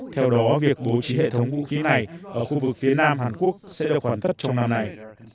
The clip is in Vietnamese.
theo đó việc bố trí hệ thống vũ khí này ở khu vực phía nam hàn quốc sẽ được hoàn tất trong năm nay